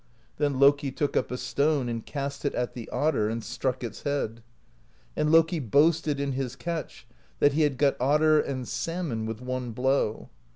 Then Loki took up a stone and cast it at the otter, and struck its head. And Loki boasted in his catch, that he had got otter and salmon with one blow.